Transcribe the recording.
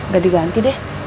gak diganti deh